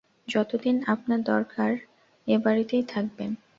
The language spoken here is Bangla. যতদিন আপনার দরকার এবাড়িতেই থাকবেন।